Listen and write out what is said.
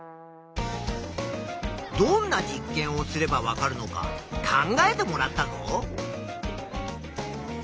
どんな実験をすればわかるのか考えてもらったぞ。